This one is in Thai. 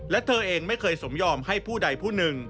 และเธอเองไม่เคยสมยอมให้ผู้ใดผู้หนึ่ง